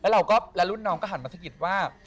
แล้วรุ่นน้องก็หันมาสะกิดว่า